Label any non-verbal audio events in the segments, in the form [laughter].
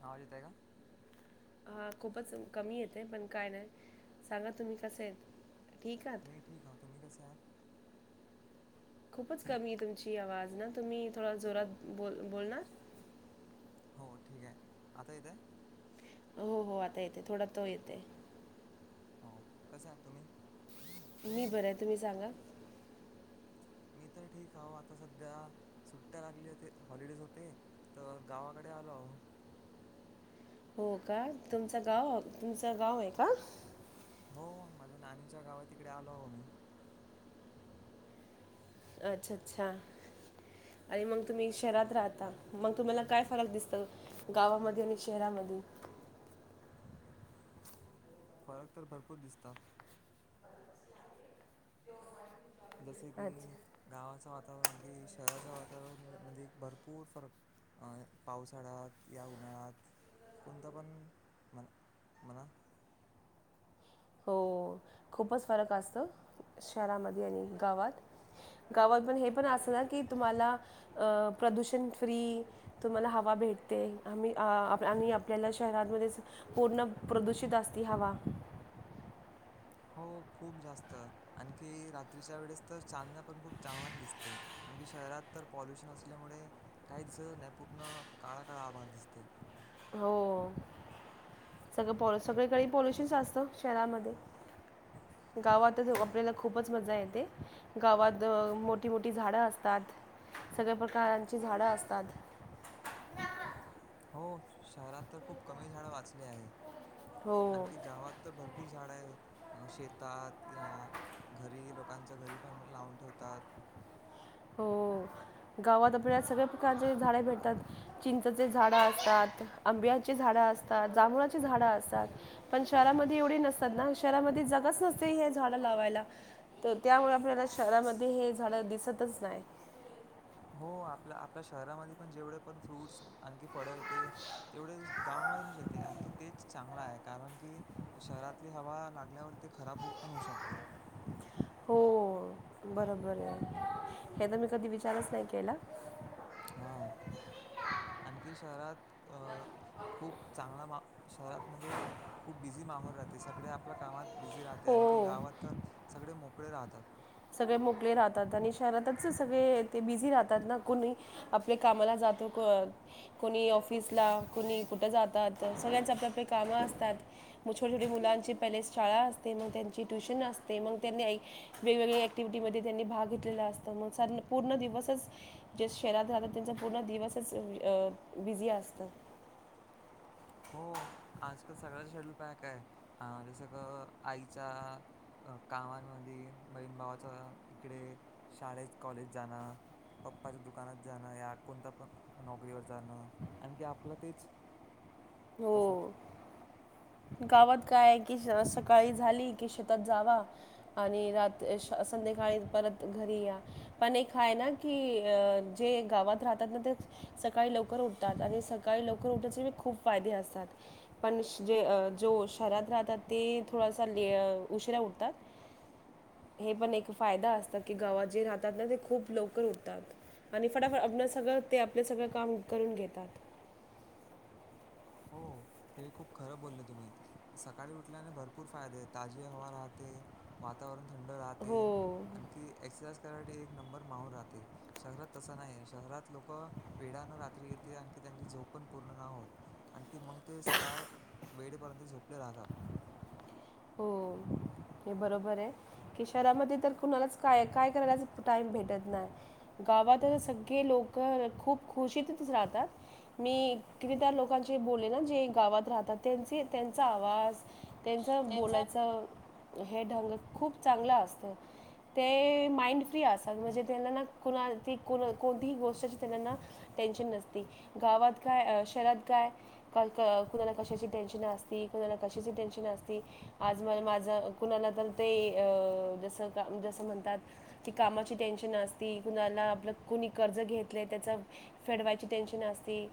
आवाज येतय, का? हा खूपच कमी येतय. पण काय नाय. सांगा तुम्ही कसेत? ठीक आह मी ठीक हाऊ. तुम्ही कसे आहात? खूपच कमीये तुमची आवाज ना. तुम्ही थोडा जोरात बोल बोलणार? हो, ठीक आहे. आता येत आहे? हो हो आता येते. थोडा तो येते हो. कसे आहात तुम्ही? मी बरंये. तुम्ही सांगा. मी तर ठीक हाऊ. आता सध्या सुट्ट्या लागली होते हॉलिडेज होते. तर गावाकडे आलो आहो. हो का? तुमच गाव हाऊ, तुमचं गाव आहे का? हो. माझ्या नाणीच्या गावा तिकडे आलो आहो मी. अछ अच्छा. आणि मग तुम्ही शहरात राहता, मग तुम्हाला काय फरक दिसत गावामध्ये आणि शहरामध्ये? फरक तर भरपूर दिसतात. जसे की अच्छा गावाचं वातावरण की शहराच्या वातावरण मध्ये भरपूर फरक अं पावसाळ्यात या उन्हाळ्यात कोणता पण म्ह म्हणा हो खूपच फरक असतो. शहरामध्ये आणि गावात. गावात पण हे पण अस ना की तुम्हाला अ प्रदूषण फ्री तुम्हाला हवा भेटते. आम्ही अ आप आपल्याला शहरमध्येच पूर्ण प्रदूषित असती हवा. हो खूप जास्त. आणखी रात्रीच्या वेळेस तर चांदण्या पण खूप चांगला दिसते. आणखी शहरात तर पॉल्युशन असल्यामुळे काहीच दिस नाही पूर्ण काळा काळा आभाळ दिसते. हो. सगळं पो सगळे कडे पॉल्युशनस असतं शहरामध्ये. गावातच ओ आपल्याला खूपच मजा येते. गावात अ मोठी मोठी झाडं असतात. सगळ्या प्रकारांची झाडं असतात. हो, शहरात तर खूप कमी झाड वाचले आहे हो आणखी गावात तर भर पूर झाडं आहे. अं शेतात या घरी, लोकांच्या घरी पण लावून ठेवतात. हो. गावात आपल्या सगळ्या प्रकारचे झाडे भेटतात. चिंचाचे झाड असतात, आंब्याची झाडं असतात, जांभुळाची झाडं असतात. पण शहरामध्ये एवढे नसतात ना. शहरामध्ये जगाच नसते हे झाडं लावायला. त त्यामुळे आपल्याला शहरामध्ये हे झाडं दिसतच नाही. हो आपल्या आपल्या शहरामध्ये पण जेवढे पण फ्रूट्स आणखी फळं येते तेवढे गावामधूनच येते. आणखी तेच चांगला आहे. कारण की शहरातली हवा लागल्यावर ते खराब पण होऊ शकते. हो बरोबर आहे. हे तर मी कधी विचारच नाही केला. हा. आणखी शहरात अ खूप चांगला मा शहरात म्हणजे खूप बिझी माहोल राहते. सगळे आ पल्या कामात बिझी राहते. आणखी हो गावात तर सगळे मोकळे राहतात. सगळे मोकले राहतात आणि शहरातच सगळे ते बिझी राहतात ना. कोणी आपले कामाला जातो, को कोणी ऑफिसला कोणी कुठे जातात सगळ्यांच आपल्यापले कामं असतात मग छोटे छोटे मुलांची पले शाळा असते मग त्यांची ट्युशन असते मग त्यांनी वेगवेगळे क्टिव्हटीमध्येध्ये त्यांनी भाग घेतलेला असतं मग स पूर्ण दिवसच जे शहरात राहतात त्यांचा पूर्ण दिवसच बिझी असत हो आजकाल सगळ्याचा शेड्यूल पॅ काय जसं क आईचा अ कामांमध्ये बहीण भावाचा इकडे शाळेत कॉलेज जाणं पप्पाच्या दुकानात जाणं या कोणता पण नोकरीवर जाणं आणखी आपलं तेच तसंच हो गावात काय की सकाळी झाली कि शेतात जावा आणि रात संध्याकाळी परत घरी या पण एक हय ना की अ जे गावात राहतात ना ते सकाळी लवकर उठतात आणि सकाळी लवकर उठण्याचेी खूप फायदे असतात पण जे जो शहरात राहतात ते थोडासा उशिरा उठतात हे पण एक फायदा असतात की गावात जे राहतात ना ते खूप लोक होतात आणि फटाफट आपण सगळं ते आपलं सगळं काम करून घेतात हो हे खूप खरं बोलले तुम्ही सकाळी उठल्याने भरपूर फायदे ताजी हवा राहते वातावरण थंड राहते हो आणखी एक्सरसाईज करायसाठी एक नंबर माहल राहते शहरात तसं नाही आहे शहरात लोक वेढानं रात्री येते आणखी त्यांची झोप पण पूर्ण न होत आणखी मग ते सकाळ वेळेपर्यंत झोपले राहतात हो हे बरोबर आहे कि शहरामध्ये तर कुणालाच काय काय करायच टाइम भेटत नाही गावात सगळे लोक खूप खुशीतच राहतात मी कती त्या लोकांचे बोलले ना जे गावात राहतात त्यांचे त्यांचा आवाज त्यांच त्यांचा बोलायचं हे ढंग खूप चांगलं असतं ते माइंड फ्री असात म्हणजे त्यांनाना कोणा ती को कोणतीही गोष्टची त्यांनाना टेन्शन नसते गावात काय शहरात काय क क कुणाला कशाचे टेनशन असती कुणाला कशाचे टेनशन असते आज म माझं कुणाला तर ते जसं का जसं म्हणतात की कामाची टेन्शन असती कुणाला आपलं कुणी कर्ज घेतलं त्याचा फेडवायची टें्शन असते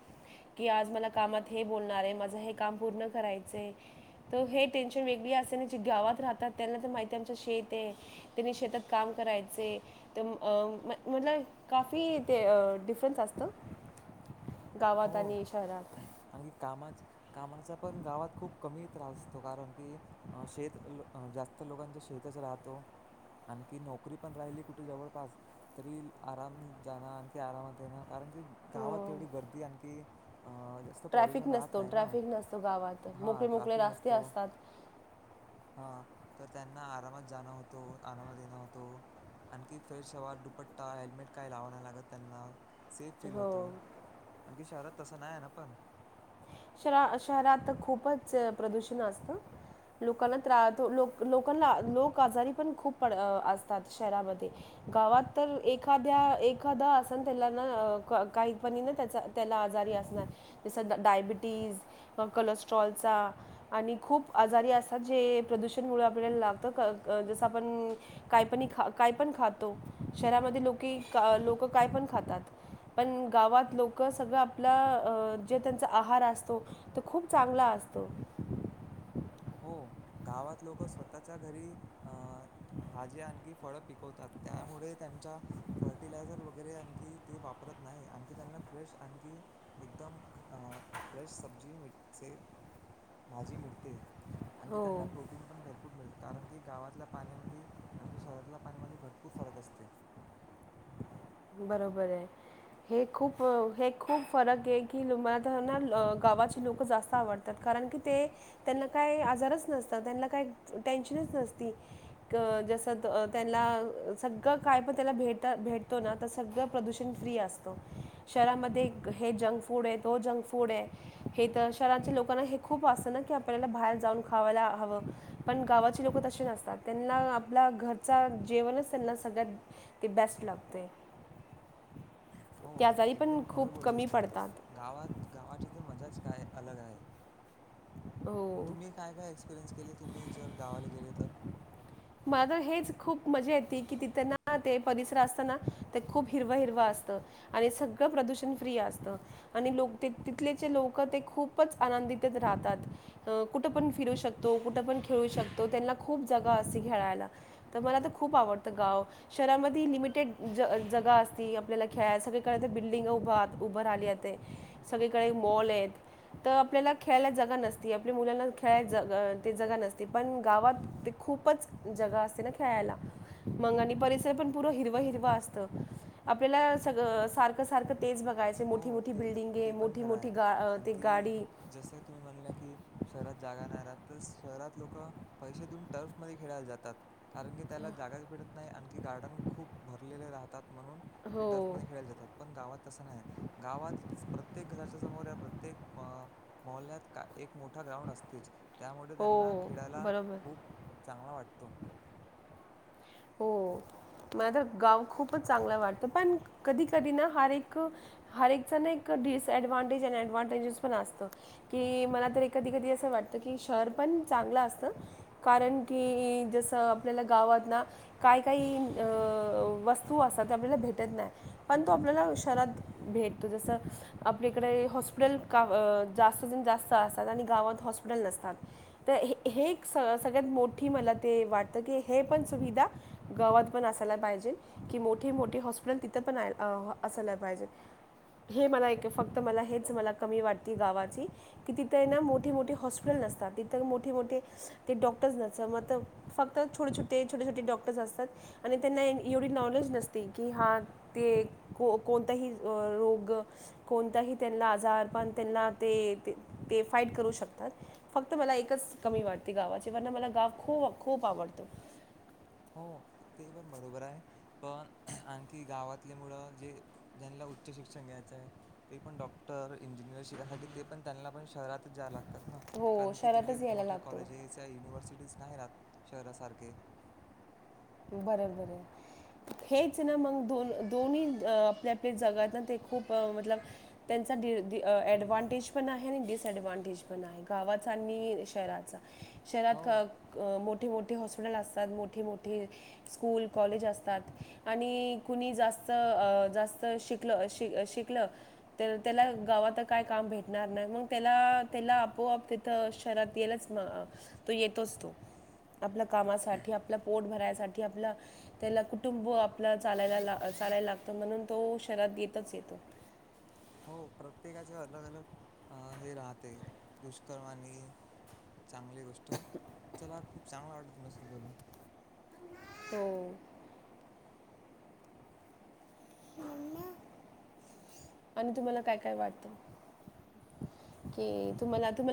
कि आज म कामात हे बोलणार आहे माझं हे काम पूर्ण करायचंय हेज्ञ टेन्शन वेगळी असे ना जे गावात राहात त्यांना तर माहिती आहे आमच्या शेत आहे त्यांनी शेतात काम करायचे तर म काफी ते िफरंस असतं गावात हो आणि शहरात आणखी कामाच कामाचा पण गावात खूप कमी त्रास असतो कारण की शेत जास्त लोकांचा शेतच राहतो आणखी नोकरी पण राहिली कुठे जवळपास तरी आराम जाण आणखी आरामात येणार कारण की हो गावात तेवढी गर्दी आणखी जास्त ट्रॅफिक पॉल्युशन राहत नसतो नाही ना ट्रॅफिक नसतो गावात हा मोकळे मोकळे ट्राफिक रस्ते नसतो असतात हा तर त्यांना आरामात जाणं होतो आनंद देणं होतो आणखी फरसवार दुपट्टा हेल्मेट काय लावाय लागत त्यांना सेफ फील होतो हो आणखी शहरात तं नाही आहे ना पण श शहरात खूपच प्रदूषण असतं लोकांना त्रा त लोक-लोकांना लोक आजारी पण खूप पड असतात शहरामध्ये. गावात तर एखाद्या-एखाद असन त्याला ना काही पणी ना त्याचा त्याला आजारी असणार, जसं डायबिटीज किवा कोलेस्ट्रॉलचा आणि खूप आजारी असतात, जे प्रदूषण मुळ आपल्याला लागतं अ-अ जस आपण काय पनी खा, काय पण खातो, शहरामध्ये लोके-लोक काय पण खातात. पण गावात लोक सगळं आपलं अ जे त्यांचा आहार अस तो, खूप चांगला असतो. हो गावात लोक स्वतःच्या घरी अ भाजी आणखी फळं पिकवतात, त्यामुळे त्यांच्या फर्टिलायझर वगैरे आणखी ते वापरत नाही, आणखी त्यांना फ्रेश, आणखी एकदम अ फ्रेश सब्जी मि [unintelligible] भाजी मिळते. आणखी त्यांना हो प्रो टीन पण भरपूर मिळतं, कारण की गावातल्या पाण्यामदि, आणखी शहरातल्या पाण्यामदि भरपूर फरक असते. बरोबर आहे. हे खूप, हे खूप फरक आहे की [unintelligible] मला तर ना गावाची लोकं जास्त आवडतात. कारण की ते, त्यांना काय आजारच नसतात, त्यांना कायी टेन्शनच नसती. क् जस त्यानला सगळं काय पण त्याला भेट भेटतो ना? तर सगळं प्रदूषण फ्री असतं, शहरामध्ये हे जंक फूड ये तो जंक फूड ये हे तर शहराच्या लोकांना हे खूप असत ना की, आपल्याला बाहेर जाऊन खावायला हवं. पण गावाचे लोक तशे नसतात, त्यांना आपला घरचा जेवणच त्यांना सगळ्यात ते बेस्ट लागतय. हो पण एकदम खूप खरं कमी बोललेस तुम्ही, पडतात गावात गावाची तर मजाच काय अलग आहे. हो. तुम्ही काय काय एक्सपीरियन्स केले तुम्ही, जर गावाला गेले तर? माझ हेच खूप मजा येत की तिथे ना, ते परिसर असताना ते खूप हिरवं हिरवं असतं. आणि सगळं प्रदूषण फ्री असतं. आणि लोक तीत तिथलेचे लोकं, ते खूपच आनंदितेत राहतात. अ कुठं पण फिरू शकतो, कुठं पण खेळू शकतो त्यांना खूप जागा असते खेळायला. तर मला तर खूप आवडतं गाव. शहरामध्ये लिमिटेड ज-जगा असती, आपल्याला खेळाया, सगळेकडे बिल्डिंग उभ-उभा राहिलीया ते. सगळीकडे मॉल येत. तर आपल्याला खेळायला जगा नसती, आपल्या मुलांना खेळाय जग ते जगा नसती, पण गावात ते खूप खपच जगा असते ना खेळायला, मग आणि परिसर पण पूरं हिरवं हिरवं असतं. आपल्याला सग सारखं -सारखं तेज बघायचं हो मोठी-मोठी ते बिल्डिंगे, ते पण खरं मोठी-मोठी आहे गा ते आणखी गाडी. जसं तुम्ही म्हणला की शहरात जागा नाय राहत, तर शहरात लोकं पैसे देऊन टर्फमध्ये खेळायला जातात. कारण की त्याला जागाच भेटत नाही, आणखी गार्डन खूप भरलेले राहतात म्हणून ते हो टर्फमध्ये खेळायला जातात, पण गावात तसं नाही गावात प्रत्येक घराच्या समोर, या प्रत्येक मअ मोहल्यात का एक मोठा ग्राउंड असतेच, त्यामुळे हो त्यांना खेळायला बरोबर खूप चांगला वाटतो. हो मला तर गाव खूपच चांगलं वाटतं, पण कधी कधी ना हर एक हर एकचा नाय का डिसएडव्हांटेज आणि एडव्हांटेजस पण असतो. की मला तर कधी-कधी असं वाटतं की, शहर पण चांगलं असतं. कारण की जस आपल्याला गावात ना. काय काही वस्तू असतात ते आपल्याला भेटत नाही पण तो आपल्याला शरात भेटतो जसं आपल्याकडे हॉस्पिटल जास्तात जास्त असतात आणि गावात हॉस्पिटल नसतात. तर हे हे एक स सगळ्यात मोठी मला ते वाटतं की हे पण सुविधा गावात पण असायला पाहिजे कि मोठे मोठे हॉस्पिटल तिथं पण असायला पाहिजे हे मला एक फक्त मला हेच मला कमी वाटते गावाची कि तिथं ना मोठे मोठे हॉस्पिटल नसतात तिथ मोठे मोठे ते डॉक्टर्स न म फक्त छोटे छोटे छोटे छोटे डॉक्टर्स असतात आणि त्यांना एवढी नॉलेज नसते की हा ते को कोणताही रोग कोणताही त्यांना आजार पण त्यांना ते ते फाईट करू शकतात फक्त मला एकच कमी वाटते गावाचे प मला गाव खूप खूप आवडत हो ते पण बरोबर आहे पण आणखी गावातले मुळ जे ज्यांना उच्च शिक्षण घ्यायचं आहे ते पण डॉक्टर इंजिनियर शिकायसाठी ते पण त्यांना पण शहरातच जाववे लागतात हो कारण की तिकडे शहरातच यायला मोठे लागतो कॉलेजेस या युनिव्हर्सिटीज नाही ना आत शहरासारखे बरं बर हेच ना मग दोन दोन्ही आपल्या आपल्या जगात ना ते खूप मतल त्यांचा डव्हांटेज पण आहे आणि डिसएडव्हांटेज पण आहे गावचा आणि शहरात हो शहरात मोठी मोठीे हॉस्पिटल असतात मोठी मोठी स्कूल कॉलेज असतात आणि कुणी जास्त जास्त शिकलं शिक शिकलं त्याला गावात काय काम भेटणार नाही मग त्याला त्याला आपोआप शहरात येलच तो येतोच तो आपल्या कामासाठी आपलं ट भरायसाठी आपलं त्याला कुटुंब आपला चालायला चालायला लागतं म्हणून तो शहरात येतच येतो हो प्रत्येकाचे अलग अलग हे राहते दुष्कर्माणी चांगली गोष्ट चला खूप चांगला वाटत तुम्हासनी बोलुन. हो [inaudible] आणि तुम्हाला काय काय वाटत की तुम्हाला तुम्हाला